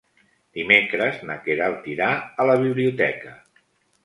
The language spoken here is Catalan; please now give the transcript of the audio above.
Dimecres na Queralt irà a la biblioteca.